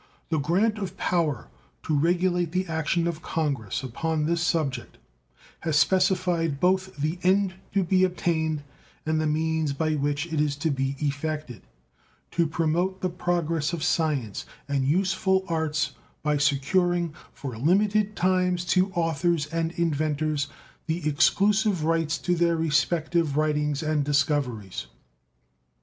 The grant of power to regulate the action of Congress upon this subject has specified both the end to be obtained and the means by which it is to be effected, "to promote the progress of science and useful arts by securing for limited times to authors and inventors the exclusive right to their respective writings and discoveries".